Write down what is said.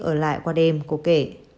ở lại qua đêm cô kể